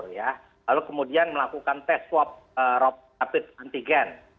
lalu kemudian melakukan tes swab rapid antigen